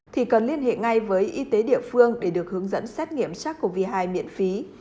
thì cần liên hệ ngay với y tế địa phương để được hướng dẫn xét nghiệm sars cov hai miễn phí